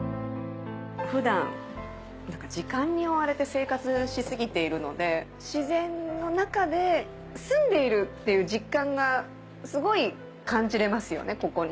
普段時間に追われて生活し過ぎているので自然の中で住んでいるっていう実感がすごい感じられますよね